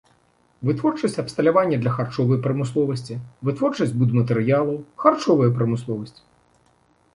Вытворчасць абсталявання для харчовай прамысловасці, вытворчасць будматэрыялаў, харчовая прамысловасць.